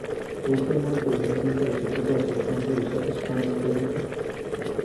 同棲もいいけど、妊娠したら結局は結婚するでしょ。時間の無駄じゃない？